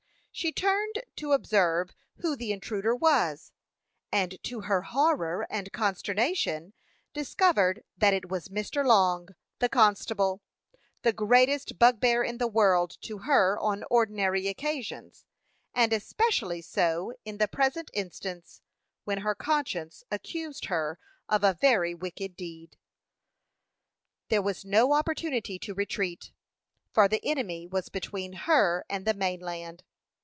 She turned to observe who the intruder was, and to her horror and consternation, discovered that it was Mr. Long, the constable, the greatest bugbear in the world to her on ordinary occasions, and especially so in the present instance, when her conscience accused her of a very wicked deed. There was no opportunity to retreat, for the enemy was between her and the main land.